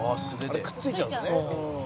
「あれくっついちゃうんですね」